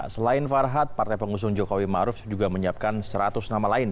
selain farhad partai pengusung jokowi maruf juga menyiapkan seratus nama lain